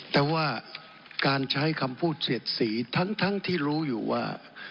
แต่ว่าการใช้คำพูดเสียดสีทั้งที่รู้อยู่ว่า